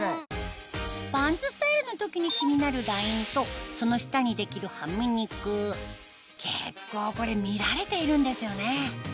パンツスタイツの時に気になるラインとその下にできるはみ肉結構これ見られているんですよね